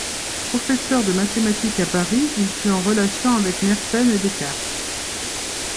Professeur de mathématiques à Paris, il fut en relation avec Mersenne et Descartes.